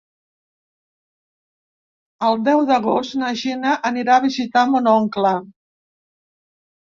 El deu d'agost na Gina anirà a visitar mon oncle.